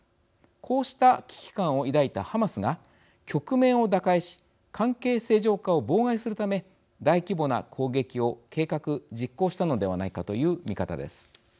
こうした危機感を抱いたハマスが局面を打開し関係正常化を妨害するため大規模な攻撃を計画実行したのではないかという見方です。